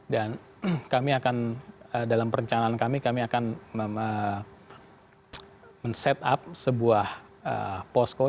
dan kami akan dalam perencanaan kami kami akan men set up sebuah post covid